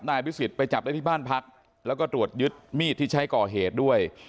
นายพิสิทธิ์ไปจับได้ที่บ้านพักแล้วก็ตรวจยึดมีดที่ใช้ก่อเหตุด้วย